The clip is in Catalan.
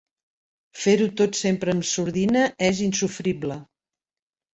Fer-ho tot sempre amb sordina és insofrible.